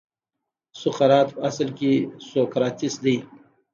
سقراط په اصل کې سوکراتیس دی.